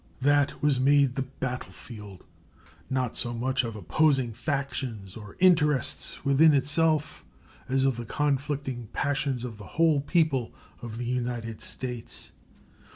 That was made the battlefield, not so much of opposing factions or interests within itself as of the conflicting passions of the whole people of the United States.